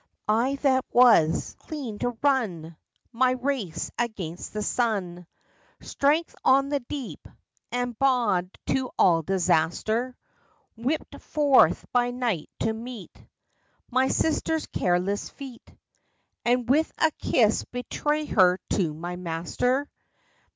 I that was clean to run My race against the sun Strength on the deep, am bawd to all disaster Whipped forth by night to meet My sister's careless feet, And with a kiss betray her to my master!